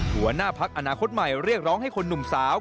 หัวหน้าพักอนาคตใหม่เรียกร้องให้คนหนุ่มสาว